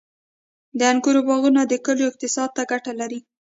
• د انګورو باغونه د کلیو اقتصاد ته ګټه لري.